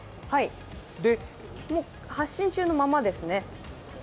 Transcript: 発信中のままですね。